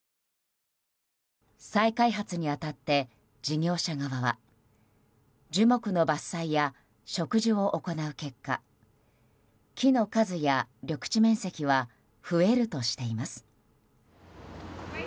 再開発に当たって事業者側は樹木の伐採や植樹を行う結果木の数や緑地面積は増えるとしています。